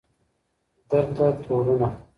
درته تورونه